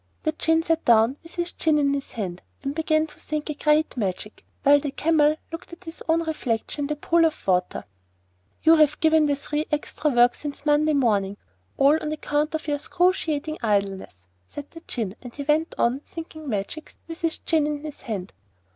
The Djinn sat down, with his chin in his hand, and began to think a Great Magic, while the Camel looked at his own reflection in the pool of water. 'You've given the Three extra work ever since Monday morning, all on account of your 'scruciating idleness,' said the Djinn; and he went on thinking Magics, with his chin in his hand.